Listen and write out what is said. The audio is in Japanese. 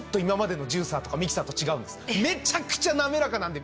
めちゃくちゃ滑らかなんで。